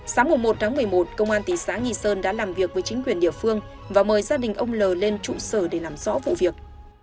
sau mùa một tháng một mươi một công an tỷ xã nghị sơn đã làm việc với chính quyền địa phương và mời gia đình ông l lên trụ sở để làm rõ vụ việc